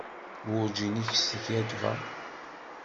Werǧin i k-skaddbeɣ.